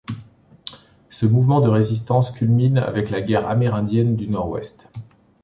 Ce mouvement de résistance culmine avec la guerre amérindienne du Nord-Ouest.